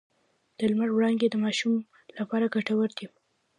د لمر وړانګې د ماشوم لپاره ګټورې دي۔